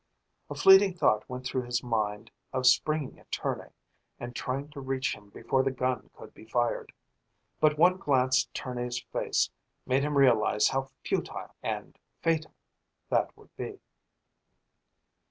A fleeting thought went through his mind of springing at Tournay and trying to reach him before the gun could be fired. But one glance at Tournay's face made him realize how futile and fatal that would be.